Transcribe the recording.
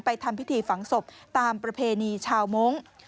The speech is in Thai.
ทำพิธีฝังศพตามประเพณีชาวมงค์